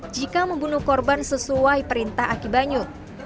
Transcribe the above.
jika membunuh korban sesuai perintah aki banyu